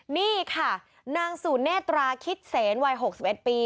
นี่ค่ะนางสูเนตราคิดเสนวัย๖๑ปี